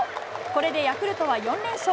これでヤクルトは４連勝。